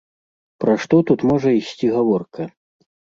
Пра што тут можа ісці гаворка?